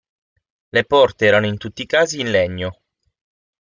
Le porte erano in tutti i casi in legno.